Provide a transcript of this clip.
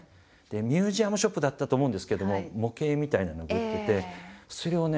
でミュージアムショップだったと思うんですれけども模型みたいなのを売っててそれをね